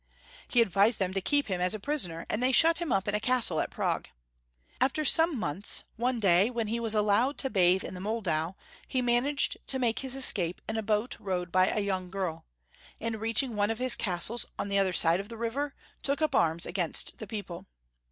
He advised them to keep him as a prisoner, and they shut him up in a castle at Prague. After some months, one day, when he was allowed to bathe in the Moldau, he managed to make his escape in a boat rowed by a young girl, and reaching one of liis castles on the other side of the river, took up arms against the people.